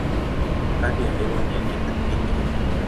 Hali ya hewa ni ya kitropiki.